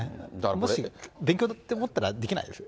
もし勉強と思ったらできないですよ。